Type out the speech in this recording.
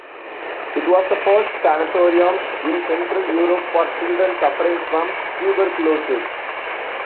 It was the first sanatorium in Central Europe for children suffering from tuberculosis.